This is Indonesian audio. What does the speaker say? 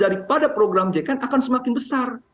daripada program jkn akan semakin besar